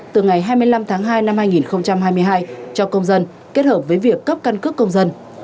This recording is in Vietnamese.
từ ngày hai mươi năm tháng hai năm hai nghìn hai mươi hai cho công dân kết hợp với việc cấp căn cước công dân